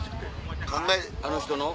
あの人の？